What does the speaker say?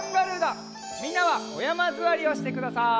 みんなはおやまずわりをしてください。